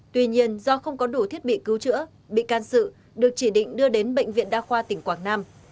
tuy nhiên do không có đủ thiết bị cứu chữa bị can sự được chỉ định đưa đến bệnh viện đa khoa tỉnh quảng nam